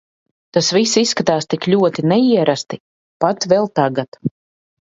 Tas viss izskatās tik ļoti neierasti, pat vēl tagad.